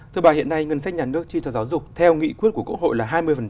thưa bà hiện nay ngân sách nhà nước chi cho giáo dục theo nghị quyết của quốc hội là hai mươi